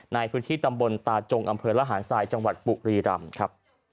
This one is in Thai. ในพื้นที่ตำบลตาจงอำเภอระหารทรายจังหวัดบุรีรำครับ